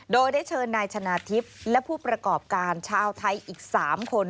โดยได้เชิญนายชนะทิพย์และผู้ประกอบการชาวไทยอีก๓คน